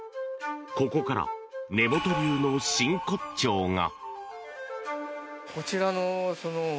ここから、根本流の真骨頂が。